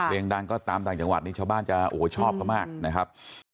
เพลงดังก็ตามต่างจังหวัดนี่ชาวบ้านจะโอ้โหชอบเขามากนะครับ